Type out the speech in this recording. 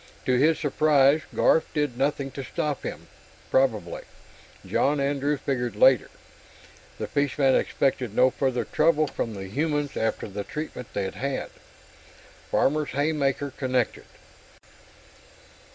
To his surprise, Garf did nothing to stop him; probably, John Andrew figured later, the fishman expected no further trouble from the humans after the treatment they'd had. Farmer's haymaker connected.